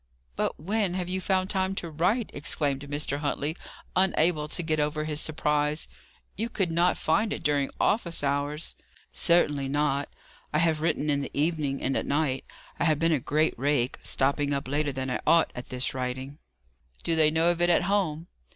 "But when have you found time to write?" exclaimed Mr. Huntley, unable to get over his surprise. "You could not find it during office hours?" "Certainly not. I have written in the evening, and at night. I have been a great rake, stopping up later than I ought, at this writing." "Do they know of it at home?"